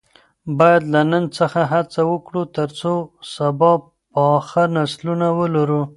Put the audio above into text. باید له نن څخه هڅه وکړو ترڅو سبا پاخه نسلونه ولرو.